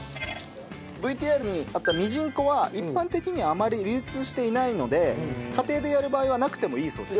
ＶＴＲにあったみじん粉は一般的にはあまり流通していないので家庭でやる場合はなくてもいいそうです。